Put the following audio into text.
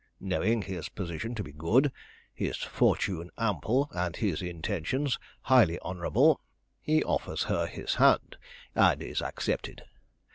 Knowing his position to be good, his fortune ample, and his intentions highly honorable, he offers her his hand, and is accepted.